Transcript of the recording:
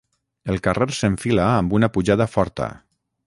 El carrer s'enfila amb una pujada forta